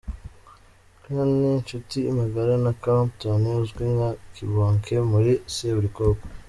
K ni inshuti magara na Clapton uzwi nka Kibonke muri Seburikoko.